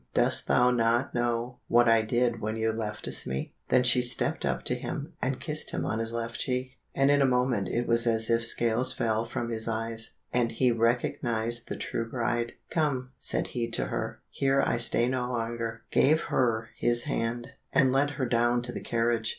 "Dost thou not know what I did when thou leftest me?" Then she stepped up to him, and kissed him on his left cheek, and in a moment it was as if scales fell from his eyes, and he recognized the true bride. "Come," said he to her, "here I stay no longer," gave her his hand, and led her down to the carriage.